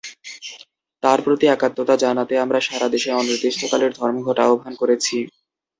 তাঁর প্রতি একাত্মতা জানাতে আমরা সারা দেশে অনির্দিষ্টকালের ধর্মঘটের আহ্বান করেছি।